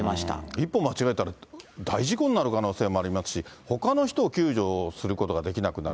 一歩間違えたら、大事故になる可能性もありますし、ほかの人を救助することができなくなる。